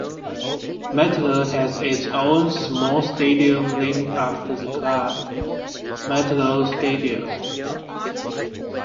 Metalurh has its own small stadium named after the club, Metalurh Stadium.